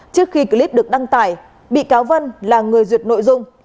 trước khi clip được đăng tải bị cáo văn là người duyệt nội dung